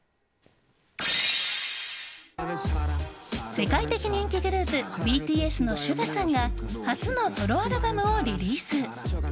世界的人気グループＢＴＳのＳＵＧＡさんが初のソロアルバムをリリース。